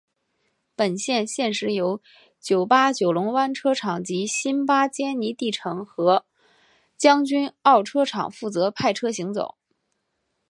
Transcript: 本线现时由九巴九龙湾车厂及新巴坚尼地城和将军澳车厂负责派车行走。